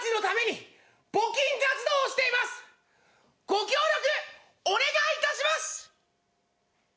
ご協力お願いいたします。